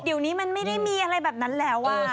เดี๋ยวนี้มันไม่ได้มีอะไรแบบนั้นแล้ว